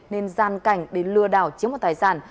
nên gian cảnh để lừa đảo chiếm một tài sản